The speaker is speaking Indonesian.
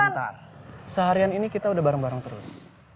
sementara seharian ini kita udah bareng bareng terus